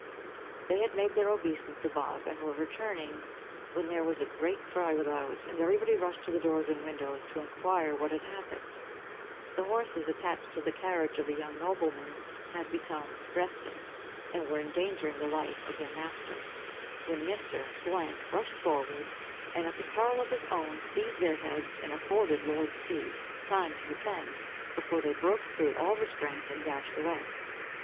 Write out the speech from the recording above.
They had made their obeisance above, and were returning, when there was a great cry without, and everybody rushed to the doors and windows to inquire what had happened. The horses attached to the carriage of a young nobleman had become restiff, and were endangering the life of their master, when Mr. —— rushed forward, and, at the peril of his own, seized their heads, and afforded Lord C—— time to descend, before they broke through all restraint, and dashed away.